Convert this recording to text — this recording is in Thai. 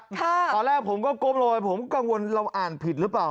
ตอนแรกผมก็โก๊บเลยผมกังวลเราอ่านผิดหรือเปล่า